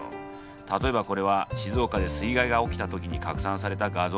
例えばこれは静岡で水害が起きた時に拡散された画像。